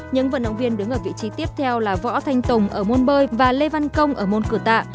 những vận động viên đứng ở vị trí tiếp theo là võ thanh tùng ở môn bơi và lê văn công ở môn cửa tạ